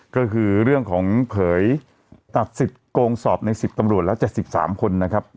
ก็คือเรื่องของเผยตัดสิบโกงสอบในสิบตำรวจแล้วเจ็ดสิบสามคนนะครับ